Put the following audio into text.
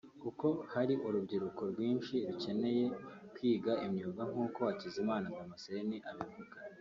kuko hari urubyiruko rwinshi rukeneye kwiga imyuga nk’uko Hakizimana Damascene abivuga